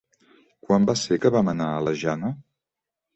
Quan va ser que vam anar a la Jana?